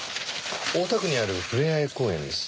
大田区にあるふれあい公園です。